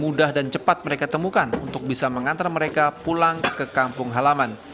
mudah dan cepat mereka temukan untuk bisa mengantar mereka pulang ke kampung halaman